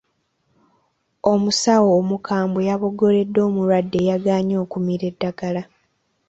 Omusawo omukambwe yaboggoledde omulwadde eyagaanye okumira eddagala.